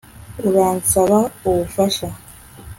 Uransaba ubufasha